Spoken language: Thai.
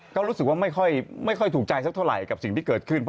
ก็รู้สึกว่าไม่ค่อยถูกใจสักเท่าไหร่กับสิ่งที่เกิดขึ้น